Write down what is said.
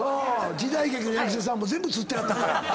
時代劇の役者さんも全部つってはったから。